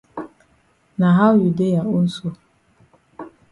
Na how you dey ya own so?